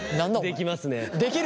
できますね。